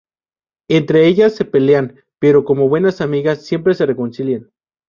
Entre ellas se pelean, pero como buenas amigas, siempre se reconcilian.